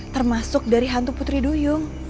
termasuk dari hantu putri duyung